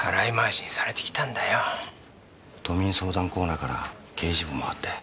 都民相談コーナーから刑事部回って。